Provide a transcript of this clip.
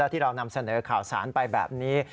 ที่เรานำเสนอข่าวสารไปแบบนี้